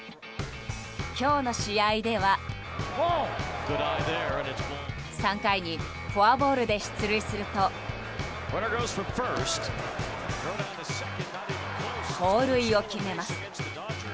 今日の試合では３回にフォアボールで出塁すると盗塁を決めます。